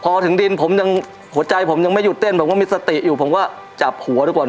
พอถึงดินผมยังหัวใจผมยังไม่หยุดเต้นผมก็มีสติอยู่ผมก็จับหัวดีกว่า